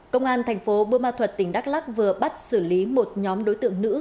công an tp bumathuat tỉnh đắk lắc vừa bắt xử lý một nhóm đối tượng nữ